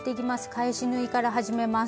返し縫いから始めます。